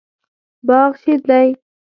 باغ شین دی